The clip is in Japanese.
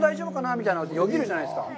みたいなよぎるじゃないですか。